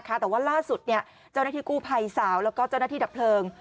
แต่ว่าล่าสุดเจ้าหน้าที่กู้ภัยสาวแล้วก็เจ้าหน้าที่ดับเพลิง